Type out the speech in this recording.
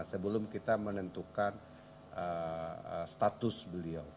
sebelum kita menentukan status beliau